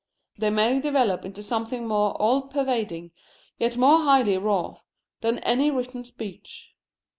They may develop into something more all pervading, yet more highly wrought, than any written speech.